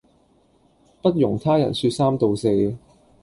不容他人說三道四